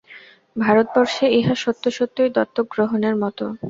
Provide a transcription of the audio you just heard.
ভারতবর্ষে ইহা সত্যসত্যই দত্তক গ্রহণের মত।